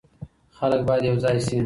خلک باید یو ځای شي.